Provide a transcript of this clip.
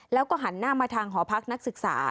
แล้วก็หันหน้ามาทางหอพักนักศึกษา